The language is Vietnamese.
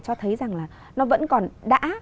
cho thấy rằng là nó vẫn còn đã